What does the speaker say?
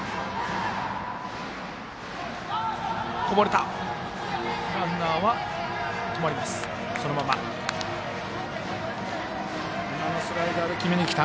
こぼれた。